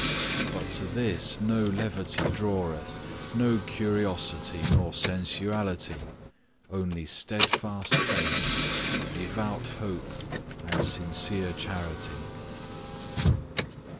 But to this no levity draweth, no curiosity, nor sensuality, only steadfast faith, devout hope, and sincere charity.